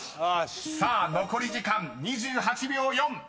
［さあ残り時間２８秒４］